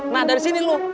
nah dari sini lu